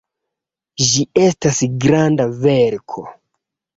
Ĝi estas granda verko.